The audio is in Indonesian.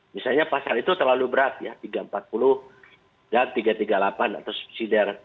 misalnya pasal itu terlalu berat ya tiga ratus empat puluh dan tiga ratus tiga puluh delapan atau subsidi